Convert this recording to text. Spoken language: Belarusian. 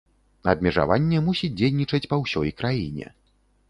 Абмежаванне мусіць дзейнічаць па ўсёй краіне.